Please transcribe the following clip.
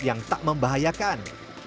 yang tak membahayakan